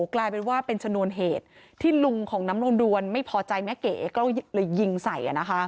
กลายเป็นว่าเป็นชนวนเหตุที่ลุงของน้ำนวนดวนไม่พอใจแม่เก๋ก็เลยยิงใส่